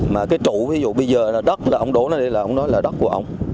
mà cái trụ bây giờ là đất ông đổ lên đây là ông nói là đất của ông